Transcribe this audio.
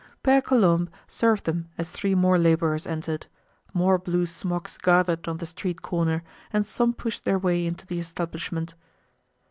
Pere Colombe served them as three more laborers entered. More blue smocks gathered on the street corner and some pushed their way into the establishment.